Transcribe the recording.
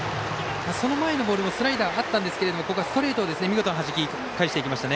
その前のボールもスライダーがあったんですけどここはストレートを見事にはじき返していきました。